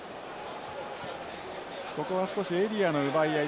ここは少しエリアの奪い合い。